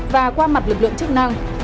và qua mặt lực lượng chức năng